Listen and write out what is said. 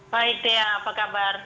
baik dea apa kabar